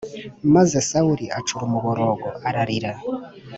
Maze Sawuli acura umuborogo ararira.